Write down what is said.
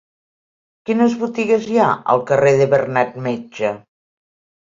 Quines botigues hi ha al carrer de Bernat Metge?